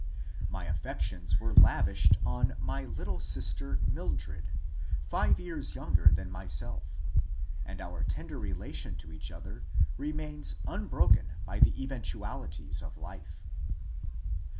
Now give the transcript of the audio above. My affections were lavished on my little sister Mildred, five years younger than myself, and our tender relation to each other remains unbroken by the eventualities of life.